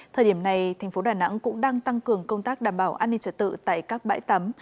thời điểm này thành phố đà nẵng cũng đang tăng cường công tác đảm bảo an ninh trật tự tại các bãi tắm